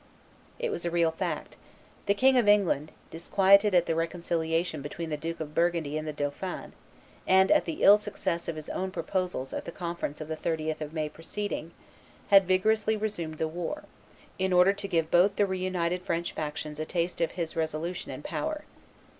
It was a real fact. The King of England, disquieted at the reconciliation between the Duke of Burgundy and the dauphin, and at the ill success of his own proposals at the conference of the 30th of May preceding, had vigorously resumed the war, in order to give both the reunited French factions a taste of his resolution and power.